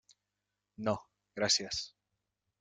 No, gràcies.